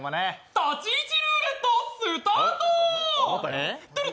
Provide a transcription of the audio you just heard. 立ち位置ルーレット、スタート。